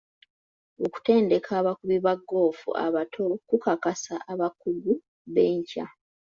Okutendeka abakubi ba ggoofu abato kukakasa abakugu b'enkya.